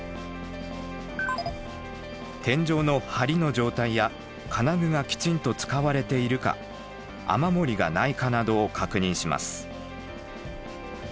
天井のはりの状態や金具がきちんと使われているか雨漏りがないかなどを確認します。